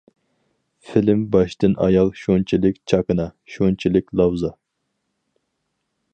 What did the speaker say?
فىلىم باشتىن-ئاياغ شۇنچىلىك چاكىنا، شۇنچىلىك لاۋزا.